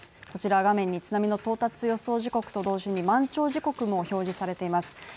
こちら画面に津波の到達予想時刻と同時に満潮時刻も表示されています。